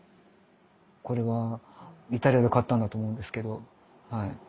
これはイタリアで買ったんだと思うんですけどはい。